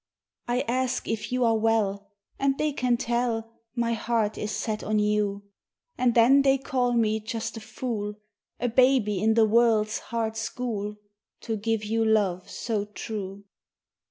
I ask if you are well, And they can tell My heart is set on you: And then they call me just a fool, A baby in the world's hard school To give you love so true.